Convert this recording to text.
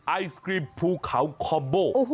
ไอศกรีมภูเขาคอมโบ